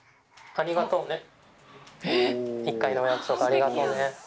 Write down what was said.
ありがとうね。